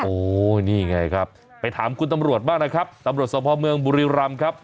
โอ้โหนี่ไงครับไปถามคุณตำรวจบ้างนะครับตำรวจสมภาพเมืองบุรีรำครับ